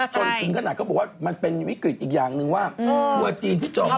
จนถึงขนาดก็บอกว่ามันเป็นวิกฤตอีกอย่างหนึ่งว่าทัวร์จีนที่จม